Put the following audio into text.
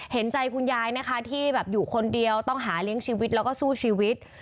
เห็นใจคุณยายนะคะที่แบบอยู่คนเดียวต้องหาเลี้ยงชีวิตแล้วก็สู้ชีวิต